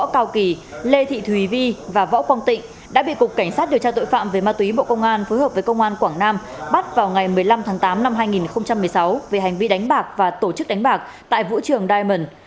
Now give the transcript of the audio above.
các vị cục cảnh sát điều tra tội phạm về ma túy bộ công an phối hợp với công an quảng nam bắt vào ngày một mươi năm tháng tám năm hai nghìn một mươi sáu về hành vi đánh bạc và tổ chức đánh bạc tại vũ trường diamond